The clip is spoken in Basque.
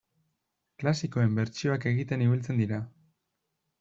Klasikoen bertsioak egiten ibiltzen dira.